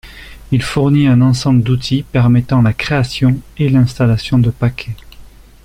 Il fournit un ensemble d'outils permettant la création et l'installation de paquets.